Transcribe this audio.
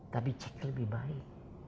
tapi cek lebih baik